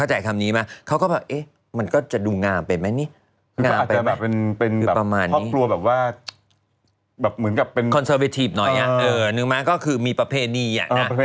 อะไรอย่างเงี้ยต่าง